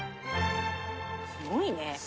すごいね。